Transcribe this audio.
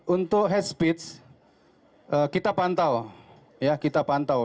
untuk hate speech kita pantau